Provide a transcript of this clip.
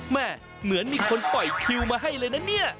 เหมือนมีคนปล่อยคิวมาให้เลยนะเนี่ย